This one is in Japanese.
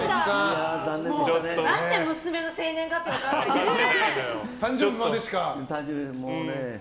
何で娘の生年月日が分からないんですか。